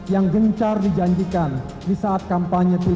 yang gencar dijanjikan di saat kampanye